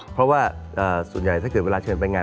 เพราะว่าส่วนใหญ่ถ้าเกิดเวลาเชิญไปงาน